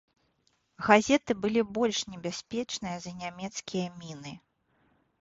Газеты былі больш небяспечны за нямецкія міны.